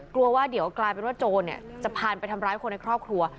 กลัวว่าเดี๋ยวกลายเป็นว่าโจรจะผ่านไปทำร้ายคนในครอบครัว